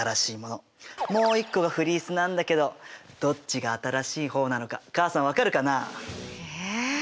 もう一個がフリースなんだけどどっちが新しい方なのか母さん分かるかな？え？